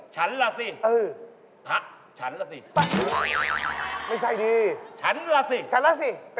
ฉันล่ะสิเป็นตะหรกแต่ต้องตาเลด้วย